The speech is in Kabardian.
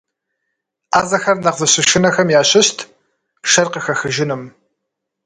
Ӏэзэхэр нэхъ зыщышынэхэм ящыщт шэр къыхэхыжыным.